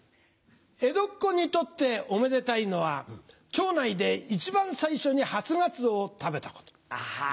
江戸っ子にとっておめでたいのは町内で一番最初に初ガツオを食べたこと。